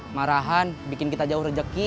marahan bikin kita jauh rejeki